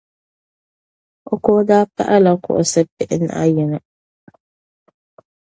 O kuɣu daa pahila kuɣusi pihinahi yini.